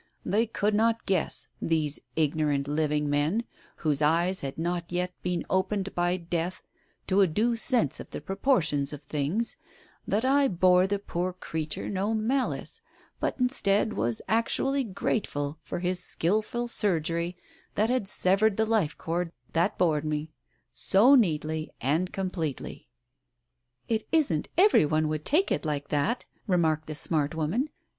They could not guess, these ignorant living men, whose eyes had not yet been opened by death to a due sense of the proportions of things — that I bore the poor creature no malice, but instead was actually grateful for his skilful surgery that had severed the life cord that bored me, so neatly and completely." "It isn't every one would take it like that !" remarked the smart woman.